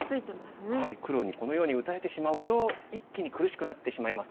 黒にこのように打たれてしまうと一気に苦しくなってしまいます。